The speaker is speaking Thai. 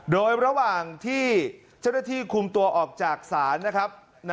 โดยระหว่างที่เจ้าหน้าที่คุมตัวออกจากศาลนะครับ